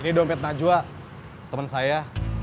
ini dompet najwa teman saya